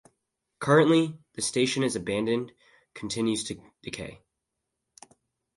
Currently, the station is abandoned continues to decay.